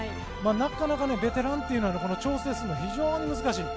なかなか、ベテランというのは調整するのは非常に難しい。